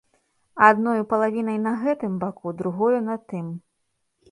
Адною палавінай на гэтым баку, другою на тым.